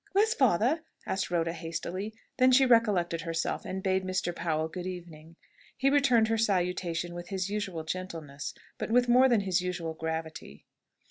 "Where's father?" asked Rhoda, hastily. Then she recollected herself, and bade Mr. Powell "Good evening." He returned her salutation with his usual gentleness, but with more than his usual gravity.